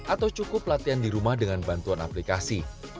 atau cukup latihan di rumah dengan bantuan aplikasi